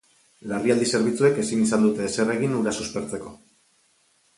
Larrialdi-zerbitzuek ezin izan dute ezer egin hura suspertzeko.